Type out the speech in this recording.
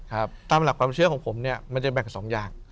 ตามหลักความเชื่อของผมเนี่ยมันจะแบ่งสองอย่าง